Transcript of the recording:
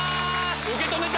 受け止めた！